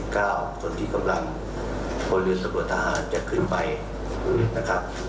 คนที่กำลังผลเลือดตรวจทหารจะขึ้นไปนะครับ